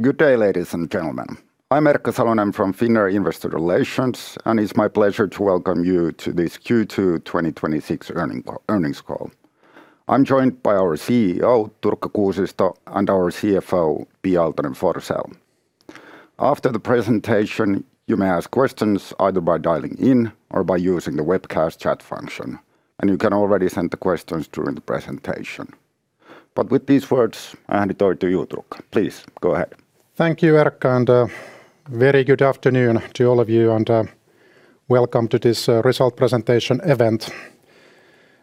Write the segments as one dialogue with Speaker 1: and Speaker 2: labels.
Speaker 1: Good day, ladies and gentlemen. I'm Erkka Salonen from Finnair Investor Relations, it's my pleasure to welcome you to this Q2 2026 earnings call. I'm joined by our CEO, Turkka Kuusisto, and our CFO, Pia Aaltonen-Forsell. After the presentation, you may ask questions either by dialing in or by using the webcast chat function, you can already send the questions during the presentation. With these words, I hand it over to you, Turkka. Please, go ahead.
Speaker 2: Thank you, Erkka, very good afternoon to all of you, welcome to this result presentation event.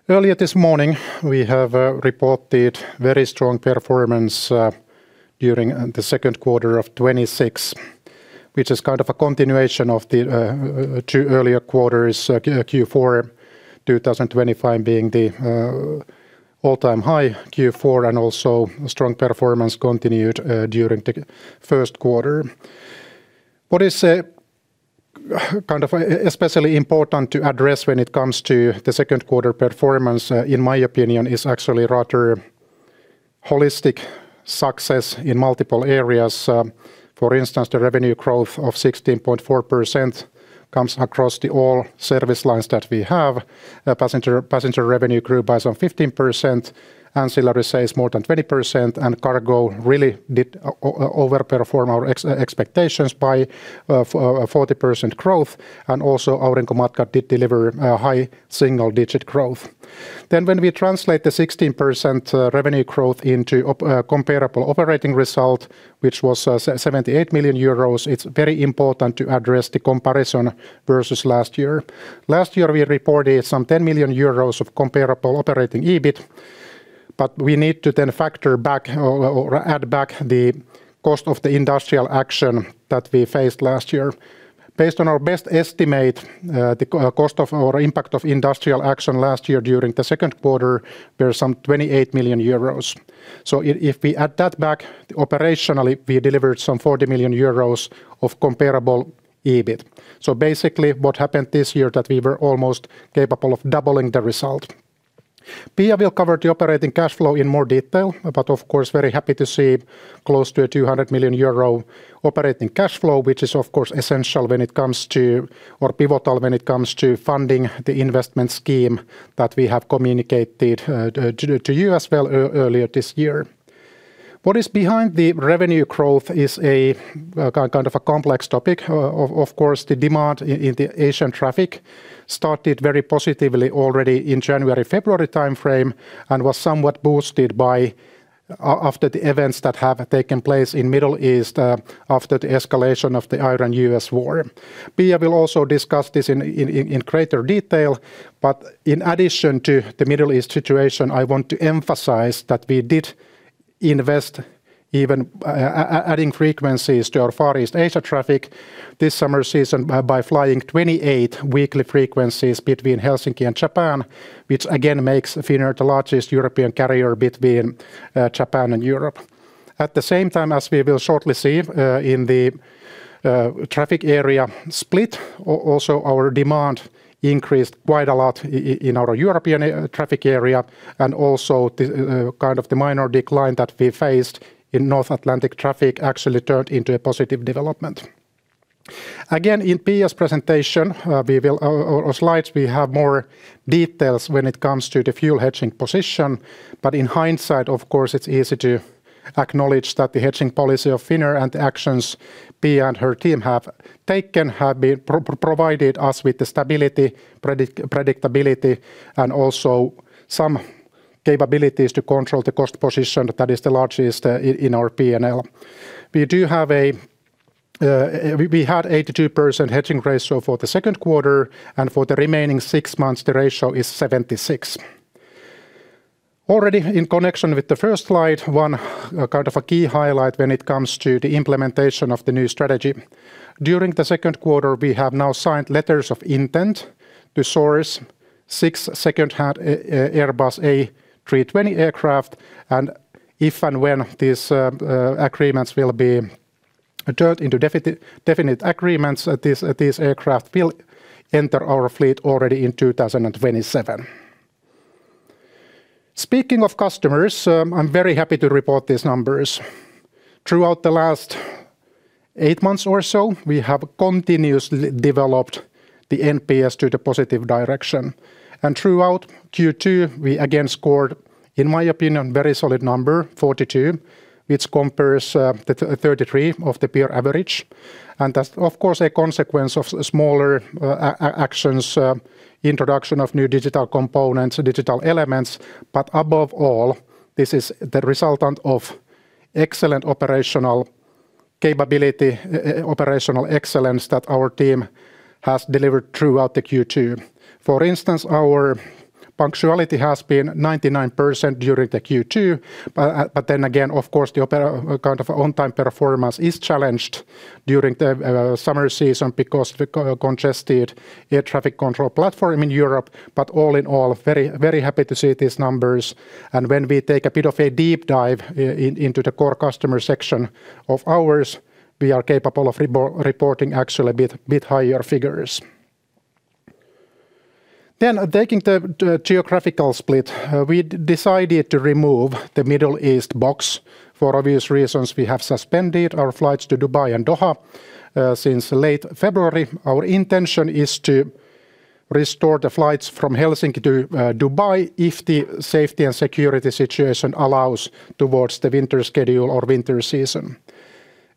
Speaker 2: Earlier this morning, we have reported very strong performance during the second quarter of 2026, which is kind of a continuation of the two earlier quarters, Q4 2025 being the all-time high Q4, also strong performance continued during the first quarter. What is especially important to address when it comes to the second quarter performance, in my opinion, is actually rather holistic success in multiple areas. For instance, the revenue growth of 16.4% comes across all service lines that we have. Passenger revenue grew by some 15%, ancillary sales more than 20%, cargo really did over-perform our expectations by 40% growth. Also Aurinkomatkat did deliver high single-digit growth. When we translate the 16% revenue growth into comparable operating result, which was 78 million euros, it's very important to address the comparison versus last year. Last year, we reported some 10 million euros of comparable operating EBIT, we need to then add back the cost of the industrial action that we faced last year. Based on our best estimate, the cost of our impact of industrial action last year during the second quarter was some 28 million euros. If we add that back, operationally, we delivered some 40 million euros of comparable EBIT. Basically, what happened this year that we were almost capable of doubling the result. Pia will cover the operating cash flow in more detail, of course, very happy to see close to a 200 million euro operating cash flow, which is of course essential or pivotal when it comes to funding the investment scheme that we have communicated to you as well earlier this year. What is behind the revenue growth is kind of a complex topic. Of course, the demand in the Asian traffic started very positively already in January-February timeframe and was somewhat boosted after the events that have taken place in Middle East after the escalation of the Iran-U.S. war. Pia will also discuss this in greater detail, in addition to the Middle East situation, I want to emphasize that we did invest even adding frequencies to our Far East Asia traffic this summer season by flying 28 weekly frequencies between Helsinki and Japan, which again makes Finnair the largest European carrier between Japan and Europe. At the same time, as we will shortly see in the traffic area split, also our demand increased quite a lot in our European traffic area, and also kind of the minor decline that we faced in North Atlantic traffic actually turned into a positive development. Again, in Pia's presentation or slides, we have more details when it comes to the fuel hedging position. In hindsight, of course, it's easy to acknowledge that the hedging policy of Finnair and the actions Pia and her team have taken have provided us with the stability, predictability, and also some capabilities to control the cost position that is the largest in our P&L. We had 82% hedging ratio for the second quarter. For the remaining six months, the ratio is 76. Already in connection with the first slide, one kind of a key highlight when it comes to the implementation of the new strategy. During the second quarter, we have now signed letters of intent to source six second-hand Airbus A320 aircraft, if and when these agreements will be turned into definite agreements, these aircraft will enter our fleet already in 2027. Speaking of customers, I'm very happy to report these numbers. Throughout the last eight months or so, we have continuously developed the NPS to the positive direction. Throughout Q2, we again scored, in my opinion, very solid number, 42, which compares the 33 of the peer average. That's, of course, a consequence of smaller actions, introduction of new digital components, digital elements, but above all, this is the resultant of excellent operational capability, operational excellence that our team has delivered throughout the Q2. For instance, our punctuality has been 99% during the Q2. Again, of course, the kind of on-time performance is challenged during the summer season because of the congested air traffic control platform in Europe. All in all, very happy to see these numbers. When we take a bit of a deep dive into the core customer section of ours, we are capable of reporting actually a bit higher figures. Taking the geographical split, we decided to remove the Middle East box for obvious reasons. We have suspended our flights to Dubai and Doha since late February. Our intention is to restore the flights from Helsinki to Dubai if the safety and security situation allows towards the winter schedule or winter season.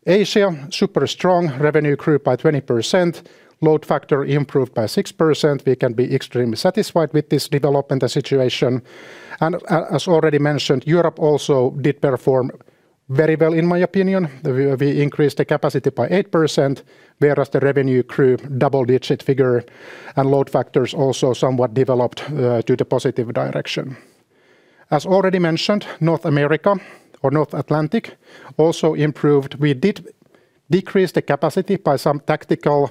Speaker 2: Asia, super strong. Revenue grew by 20%. Load factor improved by 6%. We can be extremely satisfied with this development, the situation. As already mentioned, Europe also did perform very well in my opinion. We increased the capacity by 8%, whereas the revenue grew double-digit figure and load factors also somewhat developed to the positive direction. As already mentioned, North America or North Atlantic also improved. We did decrease the capacity by some tactical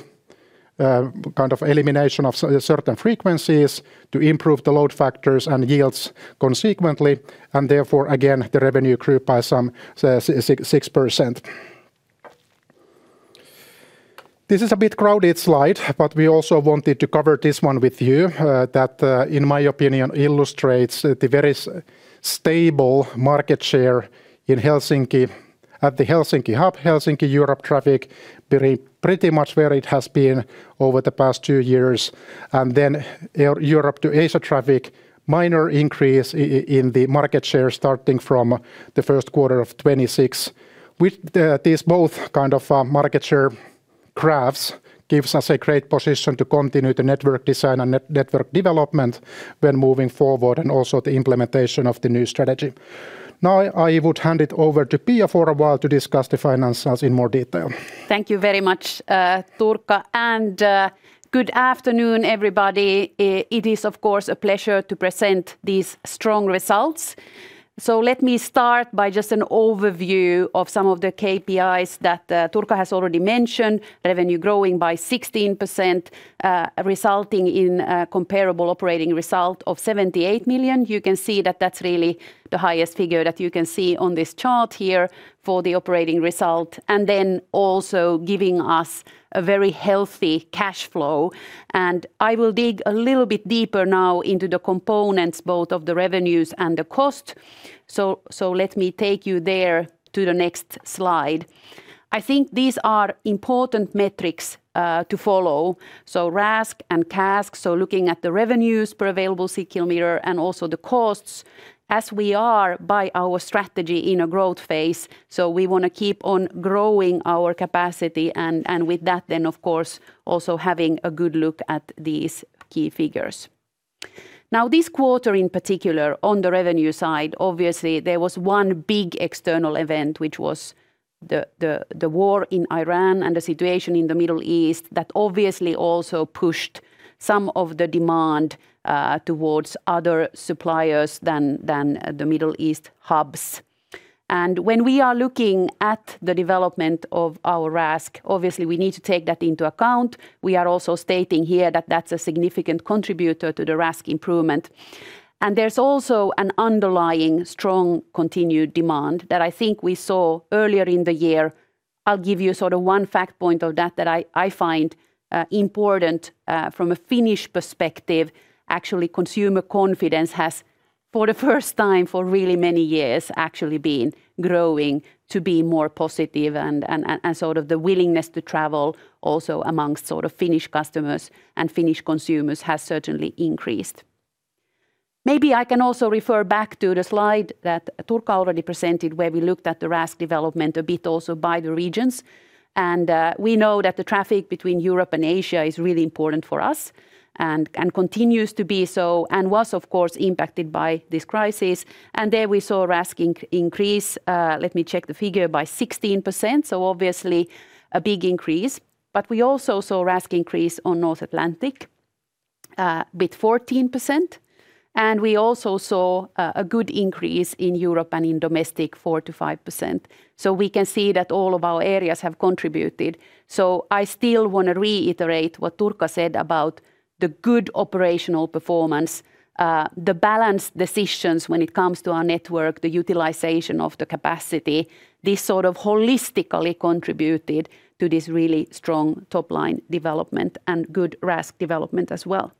Speaker 2: kind of elimination of certain frequencies to improve the load factors and yields consequently. Therefore, again, the revenue grew by some 6%. This is a bit crowded slide, but we also wanted to cover this one with you, that in my opinion illustrates the very stable market share at the Helsinki hub. Helsinki-Europe traffic pretty much where it has been over the past two years. Europe to Asia traffic, minor increase in the market share starting from the first quarter of 2026. These both kind of market share graphs gives us a great position to continue the network design and network development when moving forward and also the implementation of the new strategy. I would hand it over to Pia for a while to discuss the finances in more detail.
Speaker 3: Thank you very much, Turkka, good afternoon, everybody. It is, of course, a pleasure to present these strong results. Let me start by just an overview of some of the KPIs that Turkka has already mentioned. Revenue growing by 16%, resulting in a comparable operating result of 78 million. You can see that that's really the highest figure that you can see on this chart here for the operating result, also giving us a very healthy cash flow. I will dig a little bit deeper now into the components, both of the revenues and the cost. Let me take you there to the next slide. I think these are important metrics to follow. RASK and CASK. Looking at the revenues per available seat kilometer and also the costs as we are by our strategy in a growth phase. We want to keep on growing our capacity and with that then of course also having a good look at these key figures. Now, this quarter in particular on the revenue side, obviously there was one big external event, which was the war in Iran and the situation in the Middle East that obviously also pushed some of the demand towards other suppliers than the Middle East hubs. When we are looking at the development of our RASK, obviously we need to take that into account. We are also stating here that that's a significant contributor to the RASK improvement, there's also an underlying strong continued demand that I think we saw earlier in the year. I'll give you sort of one fact point of that I find important from a Finnish perspective. Actually, consumer confidence has, for the first time for really many years, actually been growing to be more positive and sort of the willingness to travel also amongst Finnish customers and Finnish consumers has certainly increased. Maybe I can also refer back to the slide that Turkka already presented, where we looked at the RASK development a bit also by the regions. We know that the traffic between Europe and Asia is really important for us, continues to be so, and was of course impacted by this crisis. There we saw RASK increase, let me check the figure, by 16%. Obviously a big increase. We also saw RASK increase on North Atlantic with 14%. We also saw a good increase in Europe and in domestic 4%-5%. We can see that all of our areas have contributed. I still want to reiterate what Turkka said about the good operational performance, the balanced decisions when it comes to our network, the utilization of the capacity, this sort of holistically contributed to this really strong top-line development and good RASK development as well.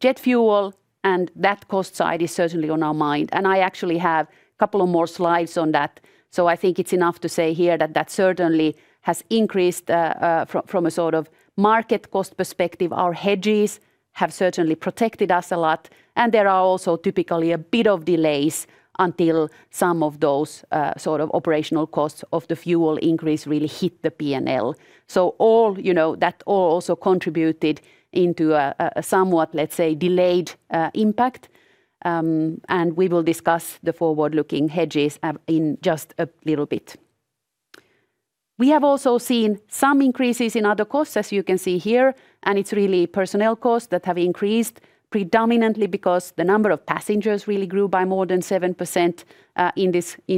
Speaker 3: Jet fuel and that cost side is certainly on our mind, and I actually have a couple of more slides on that. I think it's enough to say here that that certainly has increased from a sort of market cost perspective. Our hedges have certainly protected us a lot, and there are also typically a bit of delays until some of those sort of operational costs of the fuel increase really hit the P&L. That all also contributed into a somewhat, let's say, delayed impact. We will discuss the forward-looking hedges in just a little bit. We have also seen some increases in other costs, as you can see here, and it's really personnel costs that have increased predominantly because the number of passengers really grew by more than 7% in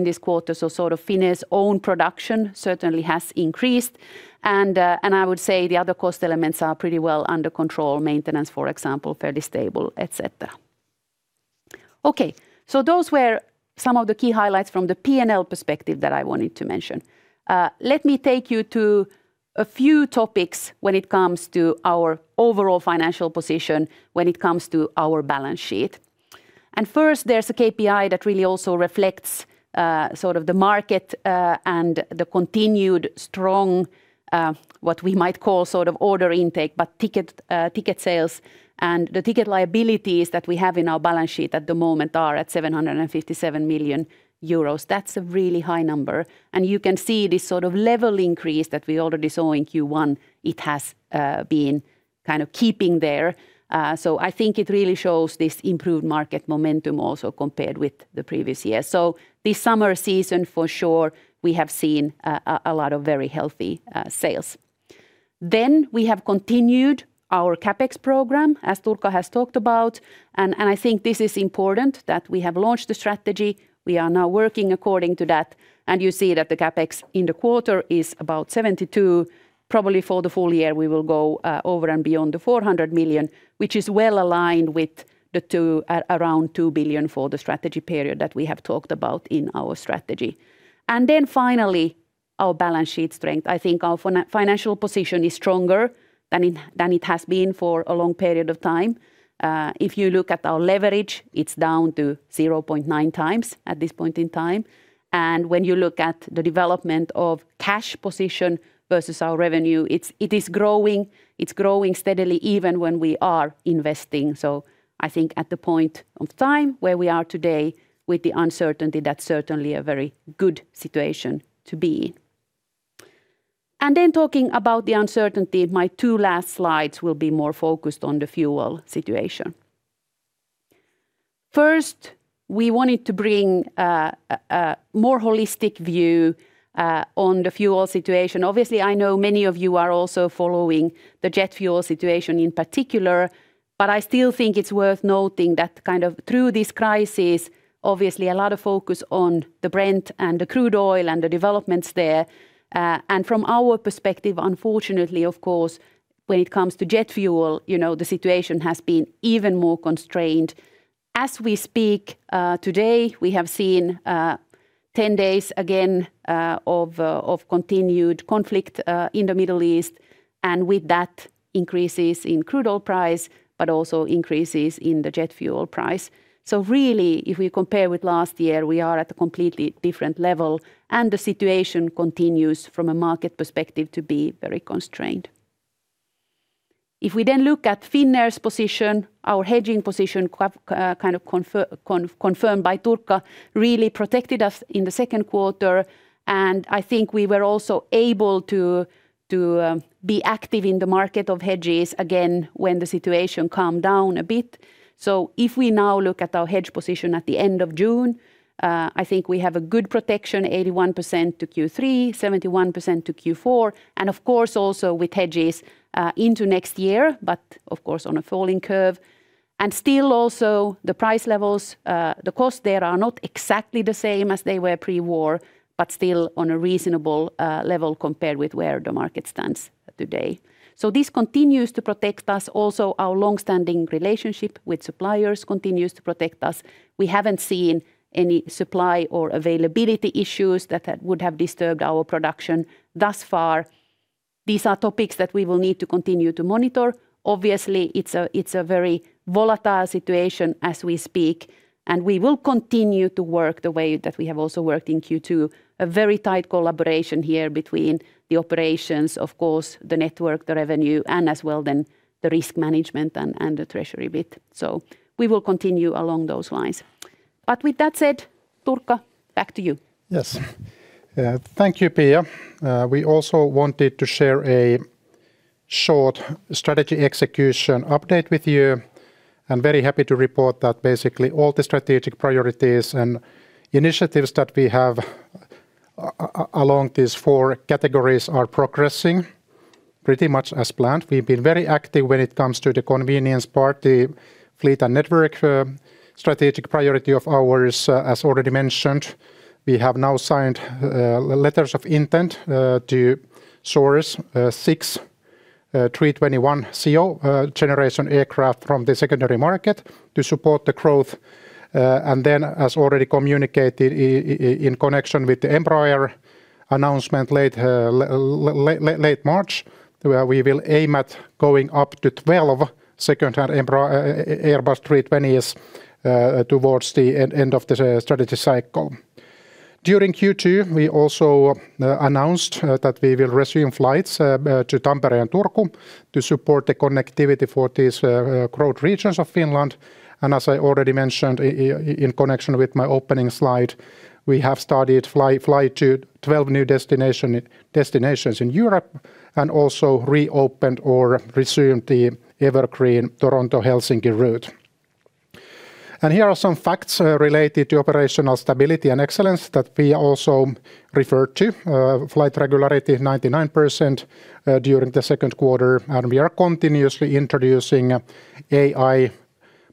Speaker 3: this quarter. Finnair's own production certainly has increased. I would say the other cost elements are pretty well under control. Maintenance, for example, fairly stable, et cetera. Okay. Those were some of the key highlights from the P&L perspective that I wanted to mention. Let me take you to a few topics when it comes to our overall financial position, when it comes to our balance sheet. First, there's a KPI that really also reflects the market and the continued strong, what we might call order intake. Ticket sales and the ticket liabilities that we have in our balance sheet at the moment are at 757 million euros. That's a really high number. You can see this level increase that we already saw in Q1. It has been keeping there. I think it really shows this improved market momentum also compared with the previous year. This summer season, for sure, we have seen a lot of very healthy sales. We have continued our CapEx program, as Turkka has talked about. I think this is important that we have launched the strategy. We are now working according to that, and you see that the CapEx in the quarter is about 72. Probably for the full year, we will go over and beyond 400 million, which is well-aligned with around 2 billion for the strategy period that we have talked about in our strategy. Finally, our balance sheet strength. I think our financial position is stronger than it has been for a long period of time. If you look at our leverage, it's down to 0.9x at this point in time. When you look at the development of cash position versus our revenue, it is growing. It's growing steadily even when we are investing. I think at the point of time where we are today with the uncertainty, that's certainly a very good situation to be in. Then talking about the uncertainty, my two last slides will be more focused on the fuel situation. First, we wanted to bring a more holistic view on the fuel situation. I know many of you are also following the jet fuel situation in particular, I still think it's worth noting that through this crisis, obviously a lot of focus on the Brent and the crude oil and the developments there. From our perspective, unfortunately, of course, when it comes to jet fuel, the situation has been even more constrained. As we speak today, we have seen 10 days again of continued conflict in the Middle East, with that, increases in crude oil price, also increases in the jet fuel price. Really, if we compare with last year, we are at a completely different level, the situation continues from a market perspective to be very constrained. If we then look at Finnair's position, our hedging position, confirmed by Turkka, really protected us in the second quarter, I think we were also able to be active in the market of hedges again when the situation calmed down a bit. If we now look at our hedge position at the end of June, I think we have a good protection, 81% to Q3, 71% to Q4, of course also with hedges into next year, of course on a falling curve. Still also the price levels, the costs there are not exactly the same as they were pre-war, still on a reasonable level compared with where the market stands today. This continues to protect us. Also, our long-standing relationship with suppliers continues to protect us. We haven't seen any supply or availability issues that would have disturbed our production thus far. These are topics that we will need to continue to monitor. Obviously, it's a very volatile situation as we speak, we will continue to work the way that we have also worked in Q2. A very tight collaboration here between the operations, of course, the network, the revenue, as well then the risk management and the treasury bit. We will continue along those lines. With that said, Turkka, back to you.
Speaker 2: Yes. Thank you, Pia. We also wanted to share a short strategy execution update with you. I'm very happy to report that basically all the strategic priorities and initiatives that we have along these four categories are progressing pretty much as planned. We've been very active when it comes to the convenience part, the fleet and network strategic priority of ours, as already mentioned. We have now signed letters of intent to source six A321ceo generation aircraft from the secondary market to support the growth. Then, as already communicated in connection with the Embraer announcement late March, we will aim at going up to 12 second-hand Airbus A320s towards the end of the strategy cycle. During Q2, we also announced that we will resume flights to Tampere and Turku to support the connectivity for these growth regions of Finland. As I already mentioned in connection with my opening slide, we have started flight to 12 new destinations in Europe and also reopened or resumed the evergreen Toronto-Helsinki route. Here are some facts related to operational stability and excellence that we also referred to. Flight regularity, 99% during the second quarter. We are continuously introducing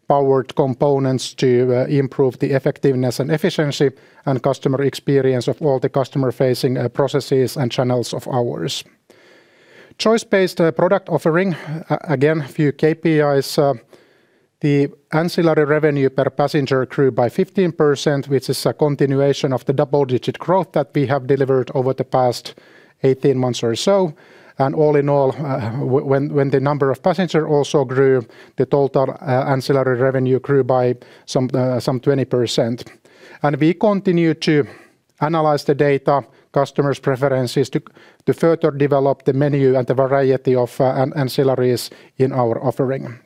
Speaker 2: AI-powered components to improve the effectiveness and efficiency and customer experience of all the customer-facing processes and channels of ours. Choice-based product offering. Again, a few KPIs. The ancillary revenue per passenger grew by 15%, which is a continuation of the double-digit growth that we have delivered over the past 18 months or so. All in all, when the number of passengers also grew, the total ancillary revenue grew by some 20%. We continue to analyze the data, customers' preferences to further develop the menu and the variety of ancillaries in our offering.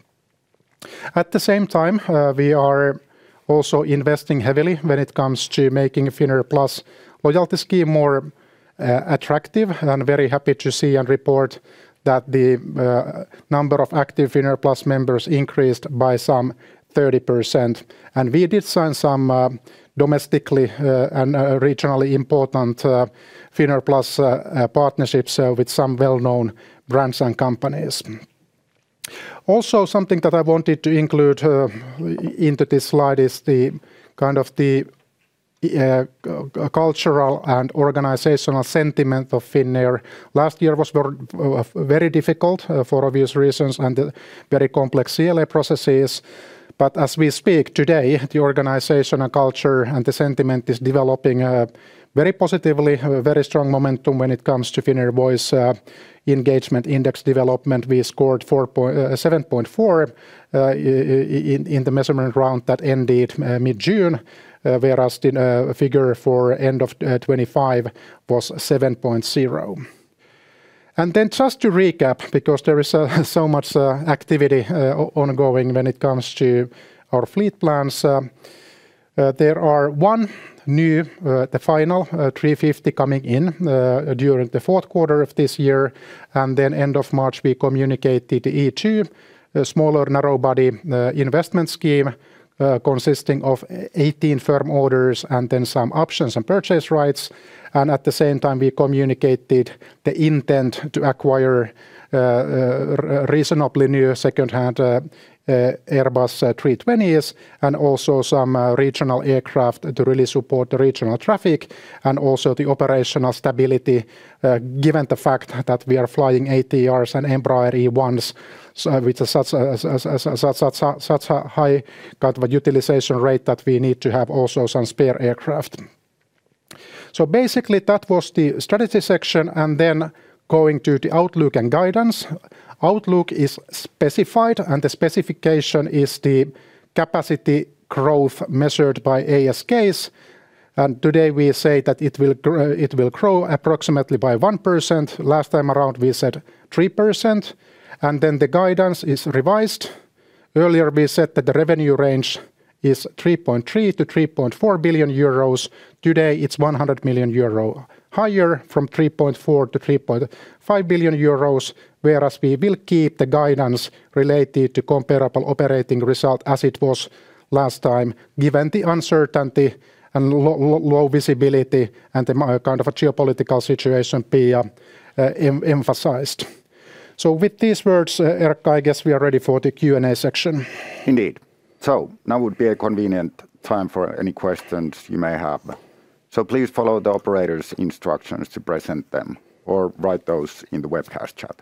Speaker 2: At the same time, we are also investing heavily when it comes to making Finnair Plus loyalty scheme more attractive and very happy to see and report that the number of active Finnair Plus members increased by some 30%. We did sign some domestically and regionally important Finnair Plus partnerships with some well-known brands and companies. Also, something that I wanted to include into this slide is the kind of the cultural and organizational sentiment of Finnair. Last year was very difficult for obvious reasons and very complex CLA processes. As we speak today, the organizational culture and the sentiment is developing very positively. A very strong momentum when it comes to Finnair voice engagement index development. We scored 7.4 in the measurement round that ended mid-June, whereas the figure for end of 2025 was 7.0. Just to recap, because there is so much activity ongoing when it comes to our fleet plans. There is one new, the final A350 coming in during the fourth quarter of this year, then end of March, we communicated the E2 smaller narrow-body investment scheme consisting of 18 firm orders and then some options and purchase rights. At the same time, we communicated the intent to acquire reasonably new secondhand Airbus A320s and also some regional aircraft to really support the regional traffic and also the operational stability given the fact that we are flying ATRs and Embraer E1s with such a high kind of a utilization rate that we need to have also some spare aircraft. Basically that was the strategy section and then going to the outlook and guidance. Outlook is specified and the specification is the capacity growth measured by ASKs. Today we say that it will grow approximately by 1%. Last time around we said 3%. The guidance is revised. Earlier we said that the revenue range is 3.3 billion-3.4 billion euros. Today it's 100 million euro higher from 3.4 billion-3.5 billion euros, whereas we will keep the guidance related to comparable operating result as it was last time given the uncertainty and low visibility and the kind of a geopolitical situation be emphasized. With these words, Erkka, I guess we are ready for the Q&A section.
Speaker 1: Indeed. Now would be a convenient time for any questions you may have. Please follow the operator's instructions to present them or write those in the webcast chat.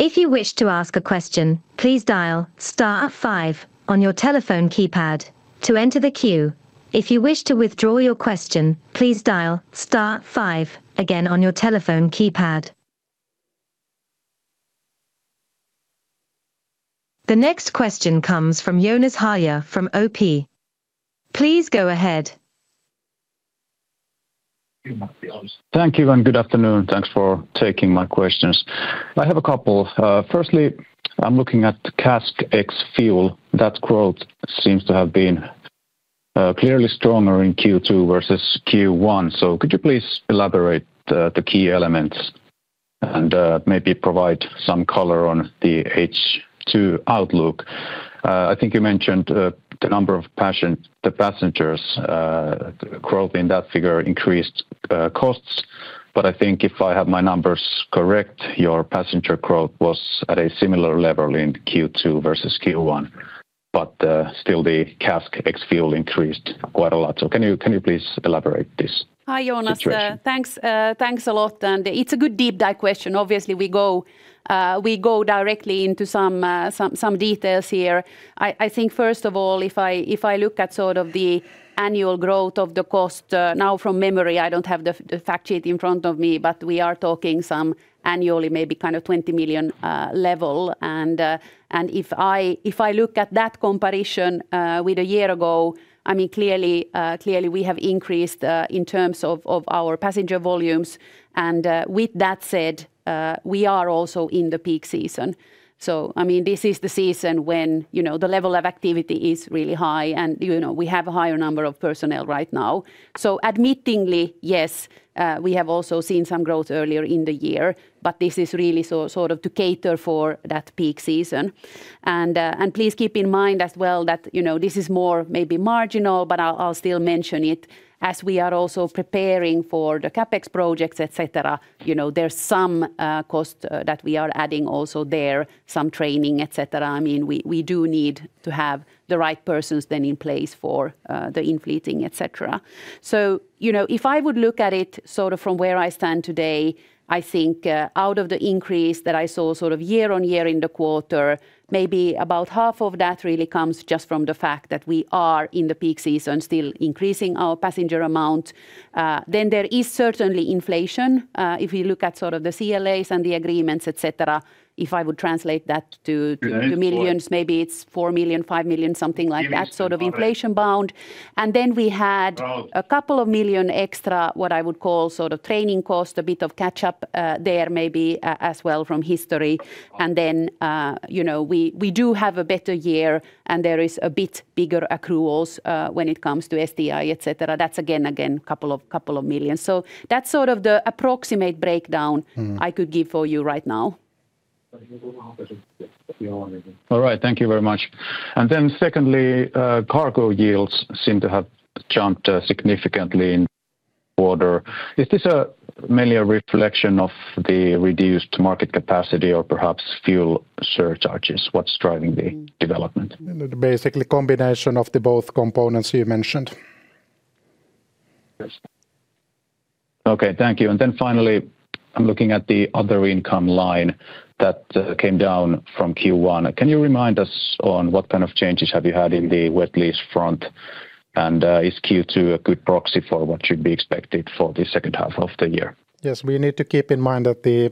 Speaker 4: If you wish to ask a question, please dial star five on your telephone keypad to enter the queue. If you wish to withdraw your question, please dial star five again on your telephone keypad. The next question comes from Joonas Häyhä from OP. Please go ahead.
Speaker 5: Thank you. Good afternoon. Thanks for taking my questions. I have a couple. Firstly, I'm looking at the CASK ex-fuel. That growth seems to have been clearly stronger in Q2 versus Q1. Could you please elaborate the key elements and maybe provide some color on the H2 outlook? I think you mentioned the number of passengers growth in that figure increased costs, I think if I have my numbers correct, your passenger growth was at a similar level in Q2 versus Q1, still the CASK ex-fuel increased quite a lot. Can you please elaborate this situation?
Speaker 3: Hi, Joonas. Thanks a lot. It's a good deep dive question. Obviously, we go directly into some details here. I think first of all, if I look at sort of the annual growth of the cost now from memory, I don't have the fact sheet in front of me, we are talking some annually, maybe kind of 20 million level. If I look at that comparison with a year ago, clearly we have increased in terms of our passenger volumes. With that said, we are also in the peak season. This is the season when the level of activity is really high, and we have a higher number of personnel right now. Admittingly, yes, we have also seen some growth earlier in the year, this is really sort of to cater for that peak season. Please keep in mind as well that this is more maybe marginal, but I will still mention it as we are also preparing for the CapEx projects, et cetera. There's some cost that we are adding also there, some training, et cetera. We do need to have the right persons then in place for the inflating, et cetera. If I would look at it sort of from where I stand today, I think out of the increase that I saw sort of year-over-year in the quarter, maybe about half of that really comes just from the fact that we are in the peak season still increasing our passenger amount. Then there is certainly inflation. If you look at sort of the CLAs and the agreements, et cetera, if I would translate that to millions, maybe it's 4 million, 5 million, something like that sort of inflation bound. We had 2 million extra, what I would call sort of training cost, a bit of catch up there maybe as well from history. We do have a better year and there is a bit bigger accruals when it comes to STI, et cetera. That's again 2 million. That's sort of the approximate breakdown I could give for you right now.
Speaker 5: All right. Thank you very much. Secondly, cargo yields seem to have jumped significantly in order. Is this mainly a reflection of the reduced market capacity or perhaps fuel surcharges? What's driving the development?
Speaker 2: Basically, combination of the both components you mentioned.
Speaker 5: Yes. Okay. Thank you. Finally, I'm looking at the other income line that came down from Q1. Can you remind us on what kind of changes have you had in the wet lease front? Is Q2 a good proxy for what should be expected for the second half of the year?
Speaker 2: Yes, we need to keep in mind that the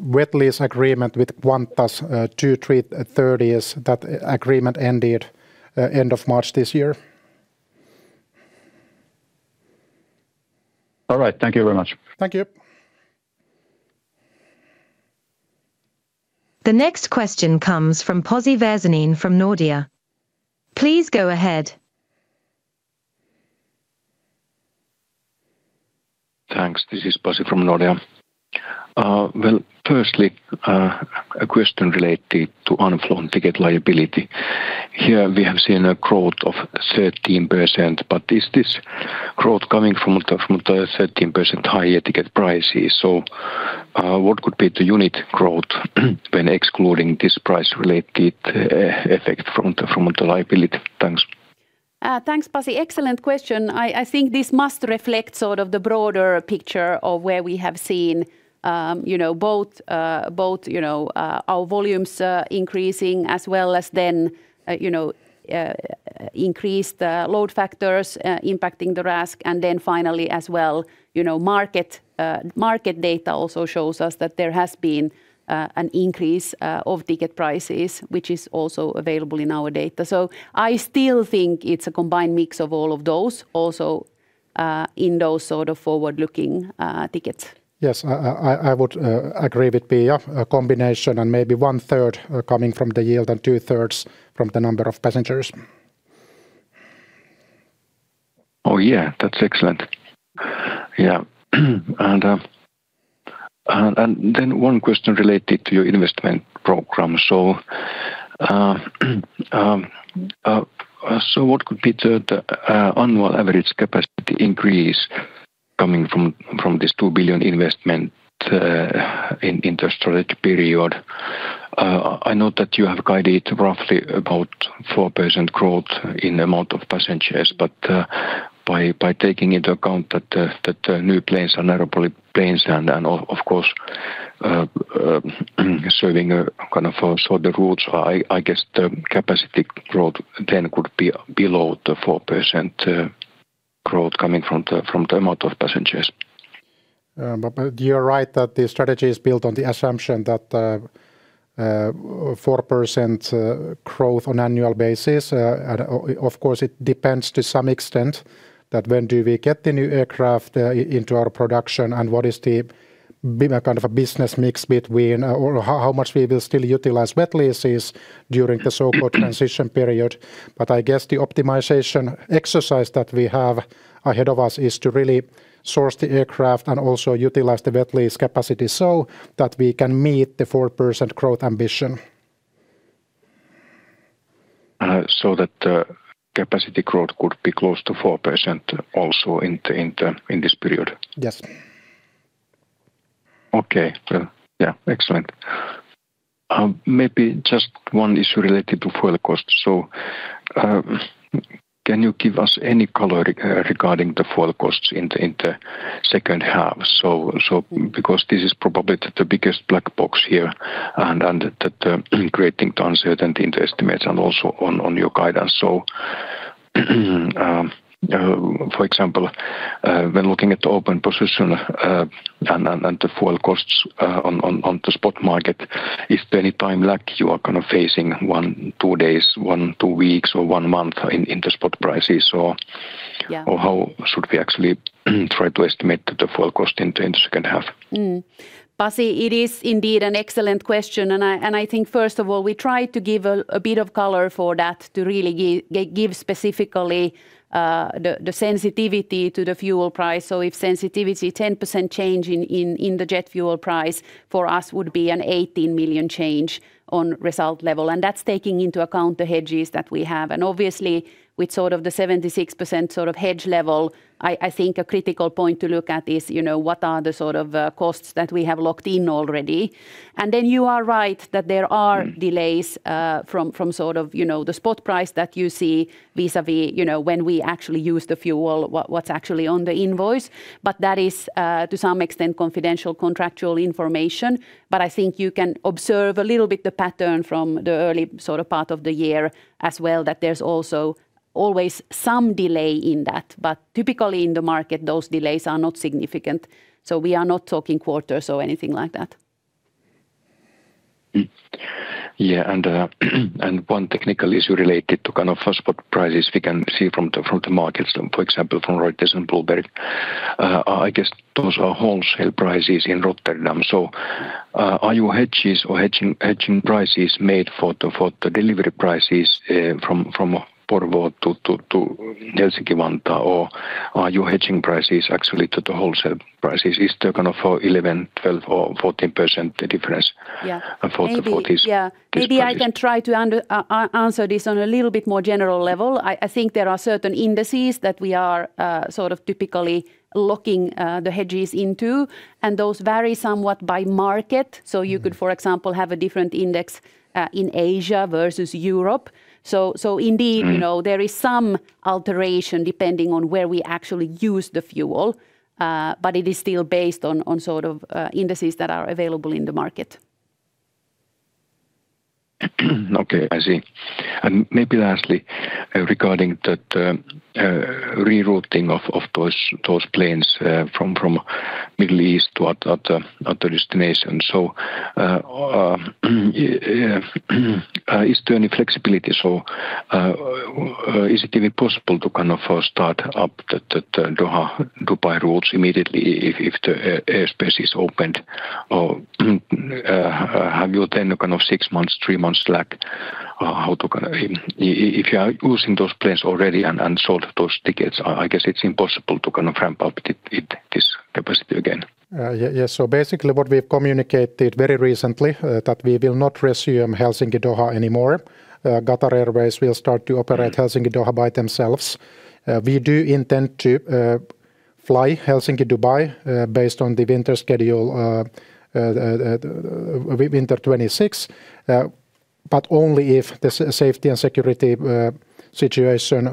Speaker 2: wet lease agreement with Qantas A330 that agreement ended end of March this year.
Speaker 5: All right. Thank you very much.
Speaker 2: Thank you.
Speaker 4: The next question comes from Pasi Väisänen from Nordea. Please go ahead.
Speaker 6: Thanks. This is Pasi from Nordea. Well, firstly, a question related to unflown ticket liability. Here we have seen a growth of 13%. Is this growth coming from the 13% higher ticket prices? What could be the unit growth when excluding this price related effect from the liability? Thanks.
Speaker 3: Thanks, Pasi. Excellent question. I think this must reflect the broader picture of where we have seen both our volumes increasing as well as then increased load factors impacting the RASK. Finally as well, market data also shows us that there has been an increase of ticket prices, which is also available in our data. I still think it's a combined mix of all of those, also, in those sort of forward-looking tickets.
Speaker 2: Yes, I would agree with Pia. A combination and maybe 1/3 coming from the yield and 2/3 from the number of passengers.
Speaker 6: Oh yeah. That's excellent. Yeah. One question related to your investment program. What could be the annual average capacity increase coming from this 2 billion investment in the strategy period? I know that you have guided roughly about 4% growth in amount of passengers, by taking into account that new planes are narrow-body planes and of course, serving kind of shorter routes, I guess the capacity growth then could be below the 4% growth coming from the amount of passengers.
Speaker 2: You're right that the strategy is built on the assumption that 4% growth on annual basis. Of course, it depends to some extent that when do we get the new aircraft into our production and what is the kind of a business mix how much we will still utilize wet leases during the so-called transition period. I guess the optimization exercise that we have ahead of us is to really source the aircraft and also utilize the wet lease capacity so that we can meet the 4% growth ambition.
Speaker 6: That capacity growth could be close to 4% also in this period?
Speaker 2: Yes.
Speaker 6: Okay. Well, yeah. Excellent. Maybe just one issue related to fuel costs. Can you give us any color regarding the fuel costs in the second half? This is probably the biggest black box here, creating the uncertainty in the estimates and also on your guidance. For example, when looking at the open position and the fuel costs on the spot market, is there any time lag you are kind of facing one, two days, one, two weeks or one month in the spot prices or.
Speaker 3: Yeah.
Speaker 6: How should we actually try to estimate the fuel cost into second half?
Speaker 3: Pasi, it is indeed an excellent question. I think, first of all, we try to give a bit of color for that to really give specifically the sensitivity to the fuel price. If sensitivity 10% change in the jet fuel price for us would be an 18 million change on result level. That is taking into account the hedges that we have. Obviously, with the 76% hedge level, I think a critical point to look at is what are the sort of costs that we have locked in already. Then you are right that there are delays from the spot price that you see vis-à-vis when we actually use the fuel, what is actually on the invoice. That is, to some extent, confidential contractual information, I think you can observe a little bit the pattern from the early part of the year as well, that there is also always some delay in that. Typically, in the market, those delays are not significant. We are not talking quarters or anything like that.
Speaker 6: One technical issue related to kind of spot prices we can see from the markets, for example, from Reuters and Bloomberg I guess those are wholesale prices in Rotterdam. Are your hedges or hedging prices made for the delivery prices from Porvoo to Helsinki-Vantaa, or are your hedging prices actually to the wholesale prices? Is there for 11%, 12% or 14% difference?
Speaker 3: Yeah.
Speaker 6: For these prices?
Speaker 3: Maybe I can try to answer this on a little bit more general level. I think there are certain indices that we are typically locking the hedges into, and those vary somewhat by market. You could, for example, have a different index in Asia versus Europe. There is some alteration depending on where we actually use the fuel. It is still based on indices that are available in the market.
Speaker 6: Okay. I see. Maybe lastly, regarding that rerouting of those planes from Middle East to other destinations. Is there any flexibility? Is it even possible to first start up the Doha, Dubai routes immediately if the airspace is opened? Have you then six months, three months lag? If you are using those planes already and sold those tickets, I guess it's impossible to ramp up this capacity again.
Speaker 2: Yes. Basically what we've communicated very recently that we will not resume Helsinki to Doha anymore. Qatar Airways will start to operate Helsinki to Doha by themselves. We do intend to fly Helsinki-Dubai based on the winter schedule winter 2026. Only if the safety and security situation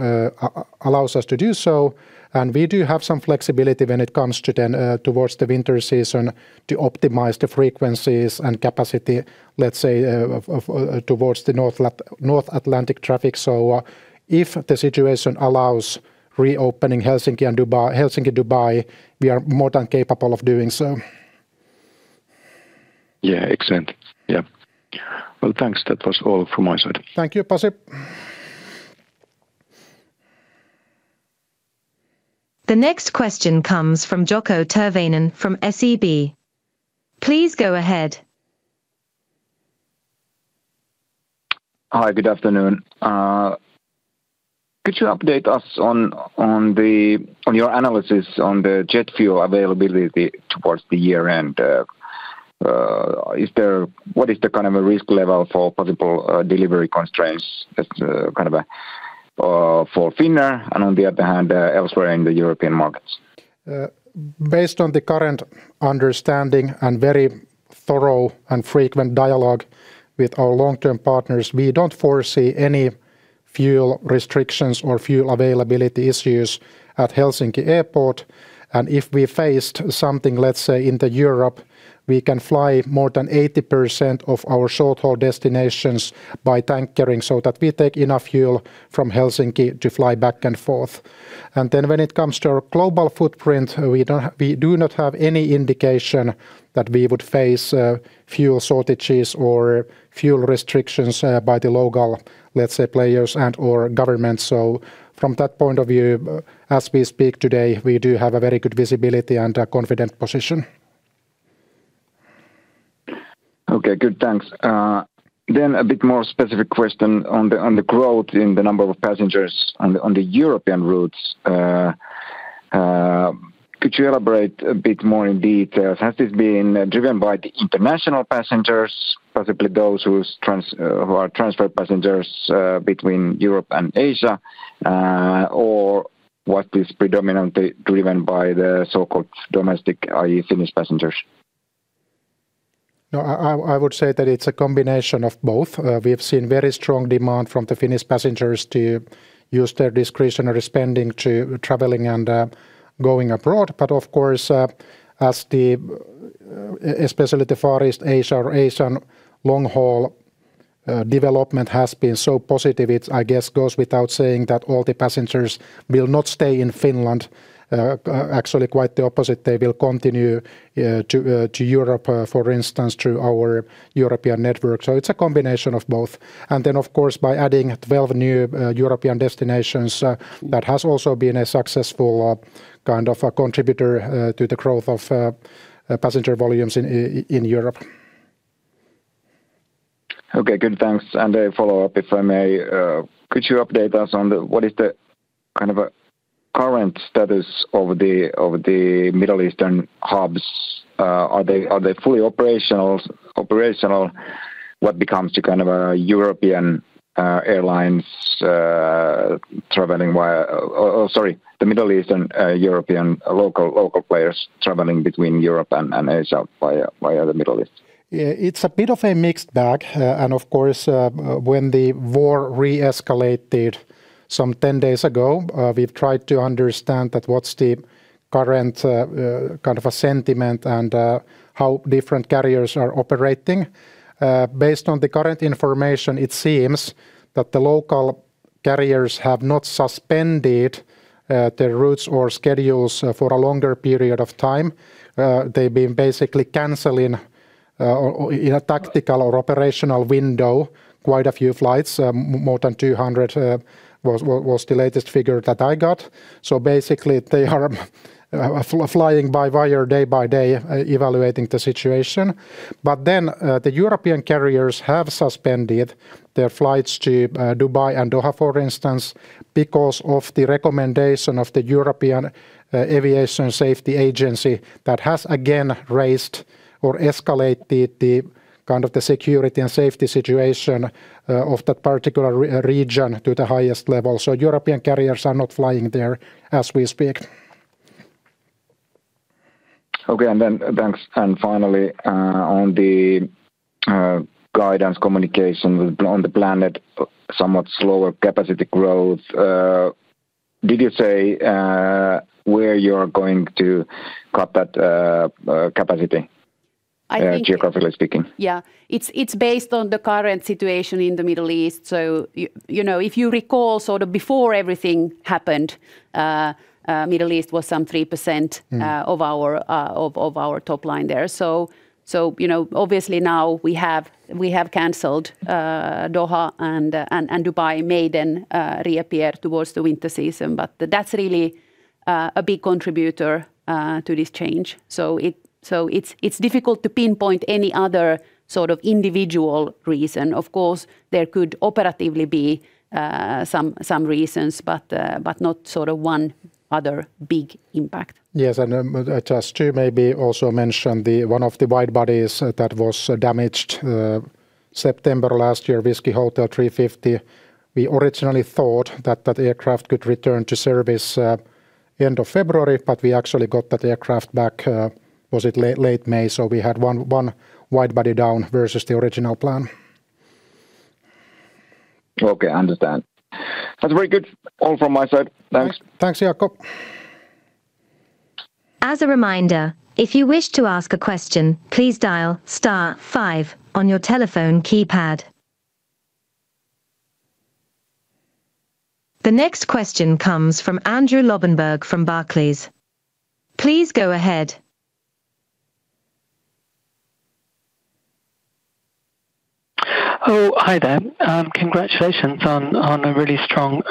Speaker 2: allows us to do so. We do have some flexibility when it comes to then towards the winter season to optimize the frequencies and capacity, let's say, towards the North Atlantic traffic. If the situation allows reopening Helsinki and Dubai, we are more than capable of doing so.
Speaker 6: Yeah. Excellent. Yeah. Well, thanks. That was all from my side.
Speaker 2: Thank you, Pasi.
Speaker 4: The next question comes from Jaakko Tyrväinen from SEB. Please go ahead.
Speaker 7: Hi, good afternoon. Could you update us on your analysis on the jet fuel availability towards the year-end? What is the kind of a risk level for possible delivery constraints for Finnair and on the other hand, elsewhere in the European markets?
Speaker 2: Based on the current understanding and very thorough and frequent dialogue with our long-term partners, we don't foresee any fuel restrictions or fuel availability issues at Helsinki Airport. If we faced something, let's say, in Europe, we can fly more than 80% of our short-haul destinations by tankering so that we take enough fuel from Helsinki to fly back and forth. When it comes to our global footprint, we do not have any indication that we would face fuel shortages or fuel restrictions by the local players and/or government. From that point of view, as we speak today, we do have a very good visibility and a confident position.
Speaker 7: Okay, good, thanks. A bit more specific question on the growth in the number of passengers on the European routes. Could you elaborate a bit more in detail? Has this been driven by the international passengers, possibly those who are transfer passengers between Europe and Asia? Was this predominantly driven by the so-called domestic, i.e. Finnish passengers?
Speaker 2: No, I would say that it's a combination of both. We have seen very strong demand from the Finnish passengers to use their discretionary spending to traveling and going abroad. Of course, especially the Far East Asia or Asian long-haul development has been so positive, it, I guess, goes without saying that all the passengers will not stay in Finland. Actually quite the opposite, they will continue to Europe, for instance, through our European network. It's a combination of both. Of course, by adding 12 new European destinations, that has also been a successful kind of a contributor to the growth of passenger volumes in Europe.
Speaker 7: Okay, good, thanks. A follow-up, if I may. Could you update us on what is the current status of the Middle Eastern hubs? Are they fully operational? What becomes of European airlines traveling via the Middle Eastern European local players traveling between Europe and Asia via the Middle East?
Speaker 2: It's a bit of a mixed bag. Of course, when the war re-escalated some 10 days ago, we've tried to understand what's the current sentiment and how different carriers are operating. Based on the current information, it seems that the local carriers have not suspended their routes or schedules for a longer period of time. They've been basically canceling in a tactical or operational window quite a few flights. More than 200 was the latest figure that I got. Basically they are flying by wire day by day, evaluating the situation. The European carriers have suspended their flights to Dubai and Doha, for instance, because of the recommendation of the European Aviation Safety Agency that has again raised or escalated the security and safety situation of that particular region to the highest level. European carriers are not flying there as we speak.
Speaker 7: Okay. Thanks. Finally, on the guidance communication on the plan, somewhat slower capacity growth, did you say where you are going to cut that capacity geographically speaking?
Speaker 3: Yeah. It's based on the current situation in the Middle East. If you recall, sort of before everything happened, Middle East was some 3% of our top line there. Obviously now we have canceled Doha and Dubai, may not reappear towards the winter season. That's really a big contributor to this change. It's difficult to pinpoint any other sort of individual reason. Of course, there could operatively be some reasons, but not sort of one other big impact.
Speaker 2: Yes. Just to maybe also mention one of the wide-bodies that was damaged, September last year, Whiskey Hotel 350. We originally thought that that aircraft could return to service end of February, we actually got that aircraft back, was it late May? We had one wide-body down versus the original plan.
Speaker 7: Okay, understand. That's very good. All from my side. Thanks.
Speaker 2: Thanks, Jaakko.
Speaker 4: As a reminder, if you wish to ask a question, please dial star five on your telephone keypad. The next question comes from Andrew Lobbenberg from Barclays. Please go ahead.
Speaker 8: Oh, hi there. Congratulations on a really strong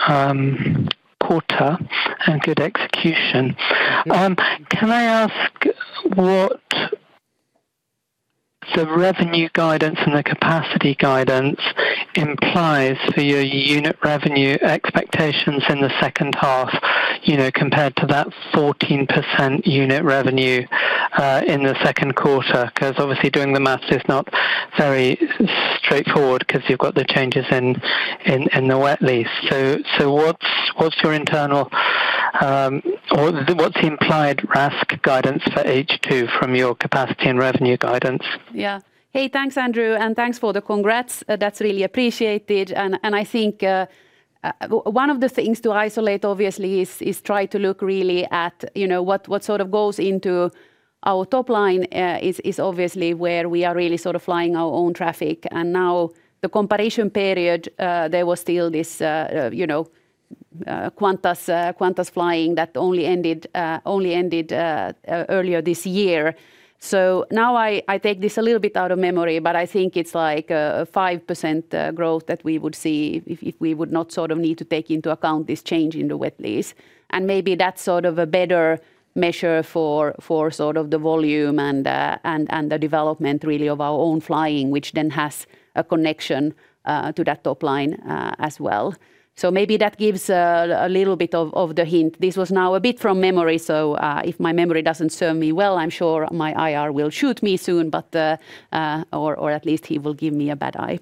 Speaker 8: quarter and good execution. Can I ask what the revenue guidance and the capacity guidance implies for your unit revenue expectations in the second half, compared to that 14% unit revenue in the second quarter? Obviously doing the math is not very straightforward because you've got the changes in the wet lease. What's your internal or what's the implied RASK guidance for H2 from your capacity and revenue guidance?
Speaker 3: Yeah. Hey, thanks, Andrew, and thanks for the congrats. That's really appreciated. I think one of the things to isolate obviously is try to look really at what sort of goes into our top line is obviously where we are really sort of flying our own traffic. Now the comparison period, there was still this Qantas flying that only ended earlier this year. Now I take this a little bit out of memory, but I think it's like a 5% growth that we would see if we would not sort of need to take into account this change in the wet lease. Maybe that's sort of a better measure for sort of the volume and the development really of our own flying, which then has a connection to that top line as well. Maybe that gives a little bit of the hint. This was now a bit from memory, so if my memory doesn't serve me well, I'm sure my IR will shoot me soon. At least he will give me a bad eye.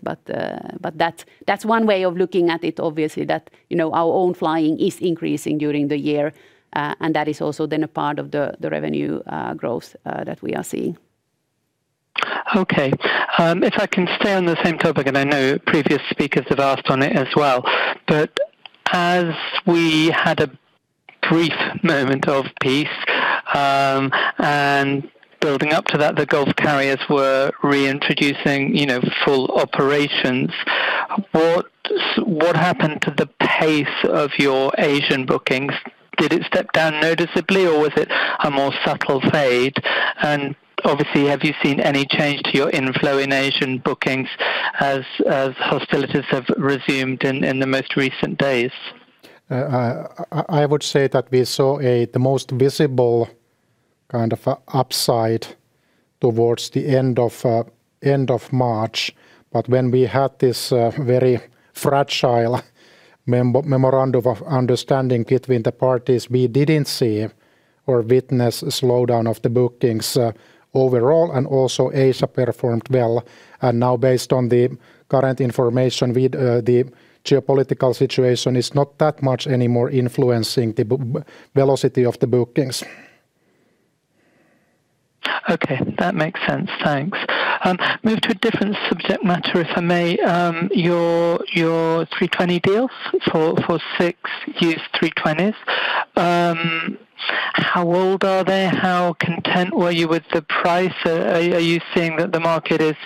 Speaker 3: That's one way of looking at it, obviously, that our own flying is increasing during the year. That is also then a part of the revenue growth that we are seeing.
Speaker 8: Okay. If I can stay on the same topic, and I know previous speakers have asked on it as well. As we had a brief moment of peace, and building up to that, the Gulf carriers were reintroducing full operations. What happened to the pace of your Asian bookings? Did it step down noticeably, or was it a more subtle fade? Obviously, have you seen any change to your inflow in Asian bookings as hostilities have resumed in the most recent days?
Speaker 2: I would say that we saw the most visible kind of upside towards the end of March. When we had this very fragile memorandum of understanding between the parties, we didn't see or witness a slowdown of the bookings overall, and also Asia performed well. Now based on the current information, the geopolitical situation is not that much anymore influencing the velocity of the bookings.
Speaker 8: Okay. That makes sense. Thanks. Move to a different subject matter, if I may. Your 320 deal for six used 320s. How old are they? How content were you with the price? Are you seeing that the market is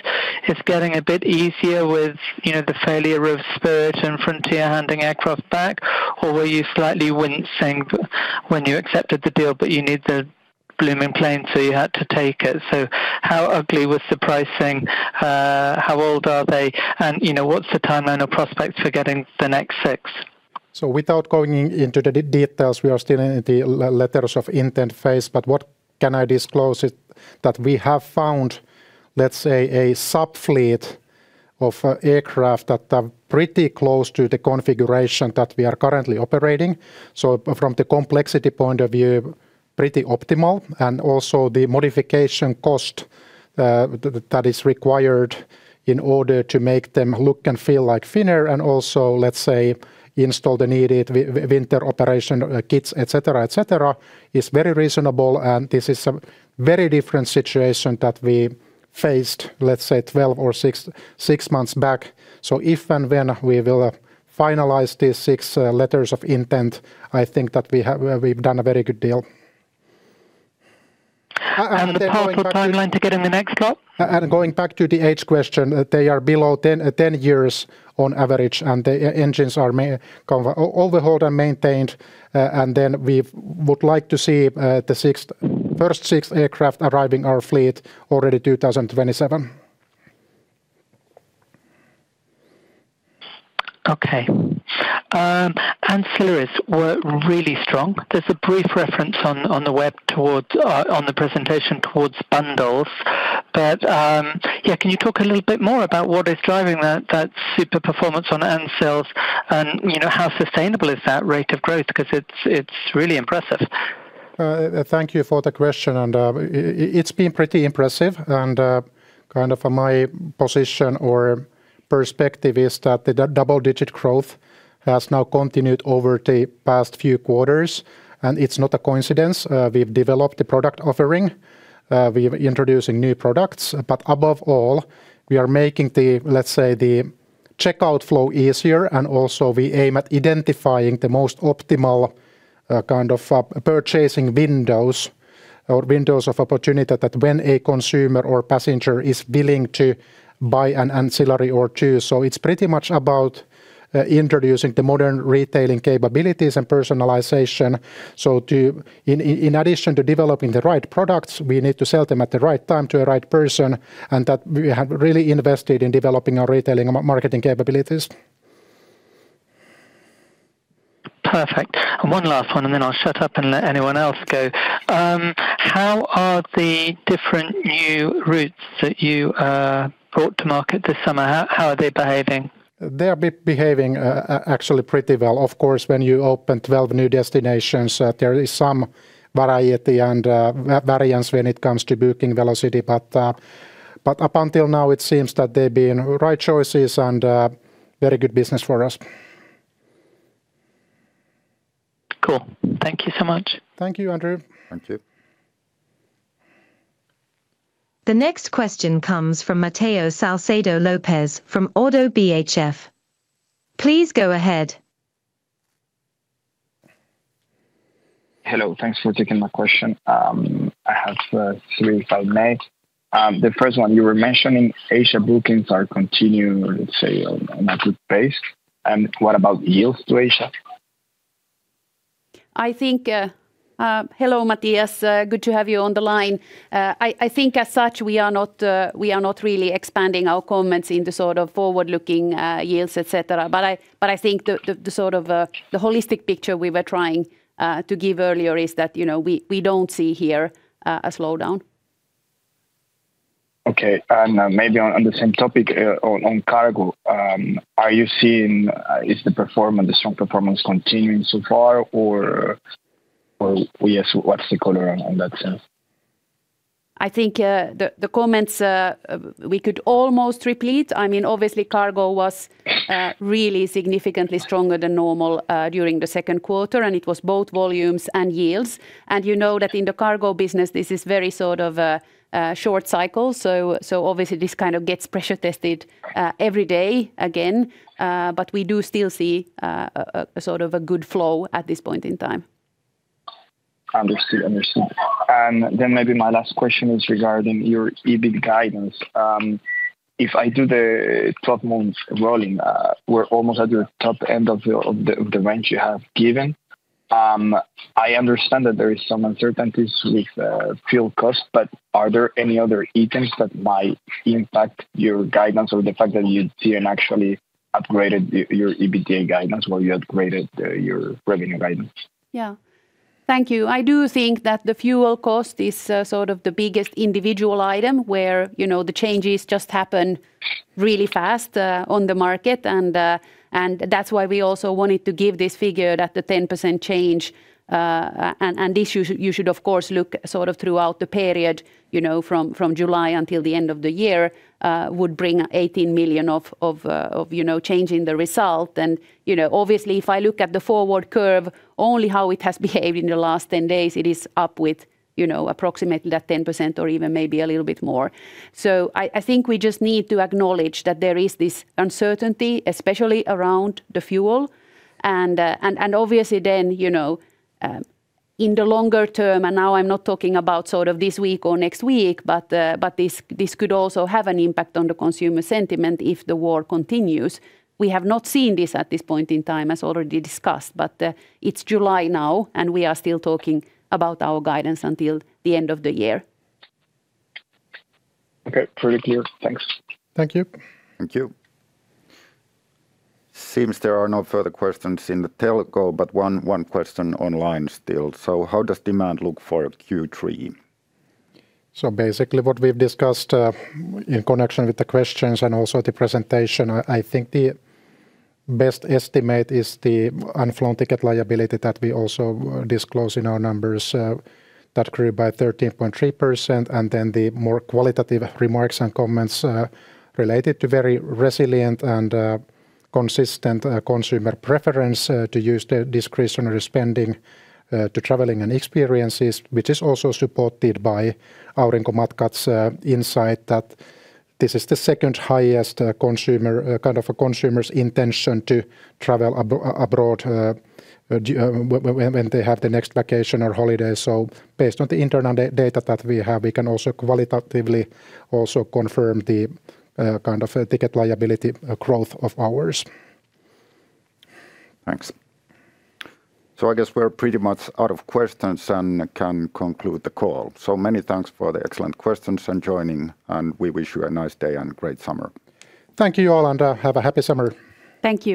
Speaker 8: getting a bit easier with the failure of Spirit and Frontier Airlines handing aircraft back? Or were you slightly wincing when you accepted the deal, but you need the blooming plane, so you had to take it. How ugly was the pricing? How old are they? What's the timeline or prospects for getting the next six?
Speaker 2: Without going into the details, we are still in the letters of intent phase, but what can I disclose is that we have found, let's say, a subfleet of aircraft that are pretty close to the configuration that we are currently operating. From the complexity point of view, pretty optimal, and also the modification cost that is required in order to make them look and feel like Finnair and also, let's say, install the needed winter operation kits, et cetera, is very reasonable. This is a very different situation that we faced, let's say, 12 or six months back. If and when we will finalize these six letters of intent, I think that we've done a very good deal.
Speaker 8: The possible timeline to get in the next lot?
Speaker 2: Going back to the age question, they are below 10 years on average, and the engines are overhauled and maintained, and then we would like to see the first six aircraft arriving our fleet already 2027.
Speaker 8: Okay. Ancillaries were really strong. There's a brief reference on the presentation towards bundles. Yeah, can you talk a little bit more about what is driving that super performance on ancils, and how sustainable is that rate of growth? Because it's really impressive.
Speaker 2: Thank you for the question, and it's been pretty impressive and kind of my position or perspective is that the double-digit growth has now continued over the past few quarters. It's not a coincidence. We've developed the product offering. We're introducing new products, above all, we are making the, let's say, the checkout flow easier and also we aim at identifying the most optimal kind of purchasing windows or windows of opportunity that when a consumer or passenger is willing to buy an ancillary or two. It's pretty much about introducing the modern retailing capabilities and personalization. In addition to developing the right products, we need to sell them at the right time to a right person, and that we have really invested in developing our retailing and marketing capabilities.
Speaker 8: Perfect. One last one, and then I'll shut up and let anyone else go. How are the different new routes that you brought to market this summer, how are they behaving?
Speaker 2: They are behaving actually pretty well. Of course, when you open 12 new destinations, there is some variety and variance when it comes to booking velocity. Up until now, it seems that they've been right choices and very good business for us.
Speaker 8: Cool. Thank you so much.
Speaker 2: Thank you, Andrew.
Speaker 1: Thank you.
Speaker 4: The next question comes from Mateo Salcedo Lopez from Oddo BHF. Please go ahead.
Speaker 9: Hello, thanks for taking my question. I have three if I may. The first one you were mentioning Asia bookings are continuing, let's say, on a good pace. What about yields to Asia?
Speaker 3: I think, hello, Mateo. Good to have you on the line. I think as such, we are not really expanding our comments in the sort of forward-looking yields, et cetera. I think the sort of holistic picture we were trying to give earlier is that we don't see here a slowdown.
Speaker 9: Okay. Maybe on the same topic, on cargo. Is the strong performance continuing so far or yes, what's the color on that sense?
Speaker 3: I think the comments we could almost repeat. Obviously cargo was really significantly stronger than normal during the second quarter, and it was both volumes and yields. You know that in the cargo business, this is very sort of a short cycle. Obviously this kind of gets pressure tested every day again. We do still see a sort of a good flow at this point in time.
Speaker 9: Understood. Maybe my last question is regarding your EBIT guidance. If I do the 12 months rolling, we're almost at the top end of the range you have given. I understand that there is some uncertainties with fuel cost, are there any other items that might impact your guidance or the fact that you didn't actually upgraded your EBITDA guidance while you upgraded your revenue guidance?
Speaker 3: Yeah. Thank you. I do think that the fuel cost is sort of the biggest individual item where the changes just happen really fast on the market. That's why we also wanted to give this figure that the 10% change, and this you should, of course, look sort of throughout the period from July until the end of the year, would bring 18 million of change in the result. Obviously, if I look at the forward curve, only how it has behaved in the last 10 days, it is up with approximately that 10% or even maybe a little bit more. I think we just need to acknowledge that there is this uncertainty, especially around the fuel. Obviously then, in the longer term, and now I'm not talking about sort of this week or next week, but this could also have an impact on the consumer sentiment if the war continues. We have not seen this at this point in time, as already discussed. It's July now, and we are still talking about our guidance until the end of the year.
Speaker 9: Okay. Very clear. Thanks.
Speaker 2: Thank you.
Speaker 1: Thank you. Seems there are no further questions in the telco, but one question online still. How does demand look for Q3?
Speaker 2: Basically what we've discussed in connection with the questions and also the presentation, I think the best estimate is the unflown ticket liability that we also disclose in our numbers that grew by 13.3%, and then the more qualitative remarks and comments related to very resilient and consistent consumer preference to use the discretionary spending to traveling and experiences, which is also supported by Aurinkomatkat's insight that this is the second highest kind of a consumer's intention to travel abroad when they have the next vacation or holiday. Based on the internal data that we have, we can also qualitatively also confirm the kind of ticket liability growth of ours.
Speaker 1: Thanks. I guess we're pretty much out of questions and can conclude the call. Many thanks for the excellent questions and joining, and we wish you a nice day and great summer.
Speaker 2: Thank you all and have a happy summer.
Speaker 3: Thank you.